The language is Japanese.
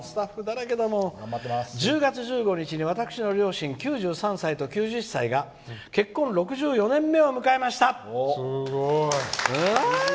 １０月１５日に私の両親９３歳と９０歳が結婚６４年目を迎えました」。